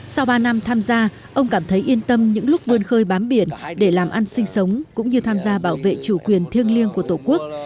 sau ba năm tham gia ông cảm thấy yên tâm những lúc vươn khơi bám biển để làm ăn sinh sống cũng như tham gia bảo vệ chủ quyền thiêng liêng của tổ quốc